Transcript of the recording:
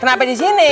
kenapa di sini